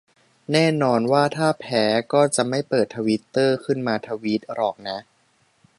แน่นอนว่าถ้าแพ้ก็จะไม่เปิดทวิตเตอร์ขึ้นมาทวีตหรอกนะ